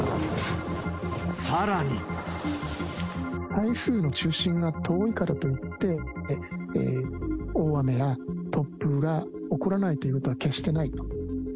台風の中心が遠いからといって、大雨や突風が起こらないということは決してない。